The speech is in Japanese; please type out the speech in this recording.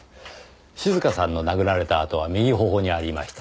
静香さんの殴られた跡は右頬にありました。